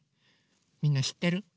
みんなしってる？